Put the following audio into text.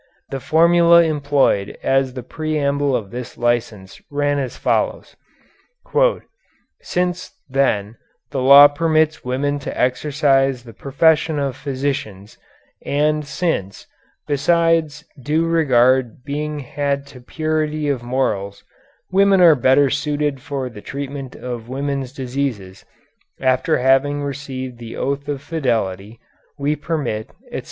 The formula employed as the preamble of this license ran as follows: "Since, then, the law permits women to exercise the profession of physicians, and since, besides, due regard being had to purity of morals, women are better suited for the treatment of women's diseases, after having received the oath of fidelity, we permit, etc."